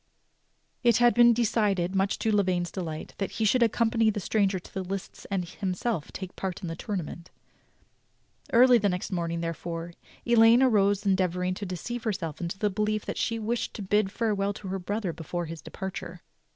It had been decided, much to Lavaine's delight, that he should accompany the stranger to the lists and himself take part in the tournament. Early the next morning, therefore, Elaine arose en deavoring to deceive herself into the belief that she wished to bid farewell to her brother before his departure.